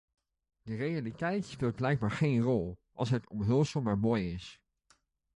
De realiteit speelt blijkbaar geen rol, als het omhulsel maar mooi is.